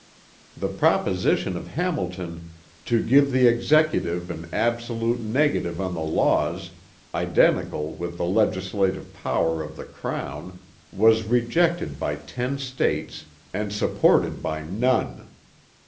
The proposition of Hamilton 'to give the Executive an absolute negative on the laws,' identical with the legislative power of the Crown, was rejected by ten States and supported by none.